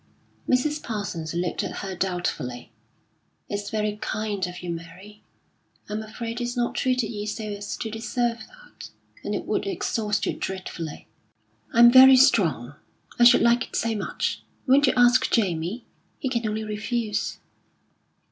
Mrs. Parsons looked at her doubtfully. "It's very kind of you, Mary. I'm afraid he's not treated you so as to deserve that. And it would exhaust you dreadfully." "I'm very strong; I should like it so much. Won't you ask Jamie? He can only refuse."